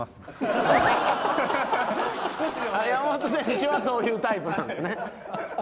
山本選手はそういうタイプなんですね。